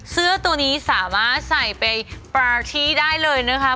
เสื้อตัวนี้สามารถใส่ไปปลาขี้ได้เลยนะคะ